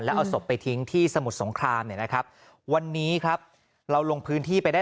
แล้วเอาศพไปทิ้งที่สมุทรสงครามเนี่ยนะครับวันนี้ครับเราลงพื้นที่ไปได้